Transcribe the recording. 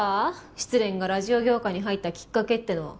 失恋がラジオ業界に入ったきっかけっての。